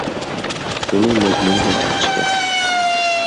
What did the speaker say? بۇنىڭ مەزمۇنى بەك ياخشىكەن.